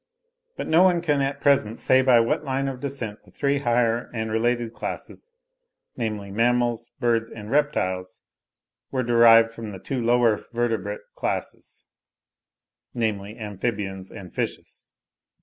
But no one can at present say by what line of descent the three higher and related classes, namely, mammals, birds, and reptiles, were derived from the two lower vertebrate classes, namely, amphibians and fishes.